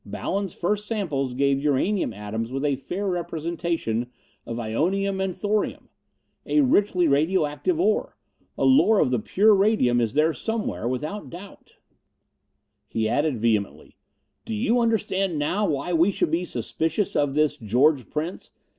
Ballon's first samples gave uranium atoms with a fair representation of ionium and thorium. A richly radio active ore. A lode of the pure radium is there somewhere, without doubt." He added vehemently, "Do you understand now why we should be suspicious of this George Prince?